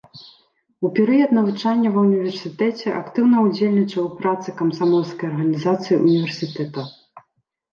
У перыяд навучання ва ўніверсітэце актыўна ўдзельнічаў у працы камсамольскай арганізацыі ўніверсітэта.